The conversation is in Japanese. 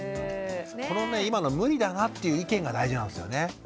このね今の無理だなっていう意見が大事なんですよね。